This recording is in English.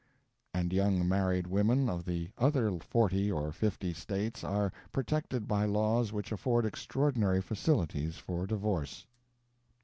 And young married women of the other forty or fifty States are protected by laws which afford extraordinary facilities for divorce.